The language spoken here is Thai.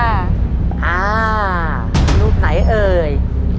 อ่ารูปไหนเอ่ย